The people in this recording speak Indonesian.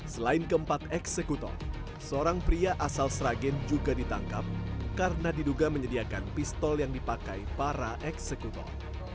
selain keempat eksekutor seorang pria asal sragen juga ditangkap karena diduga menyediakan pistol yang dipakai para eksekutor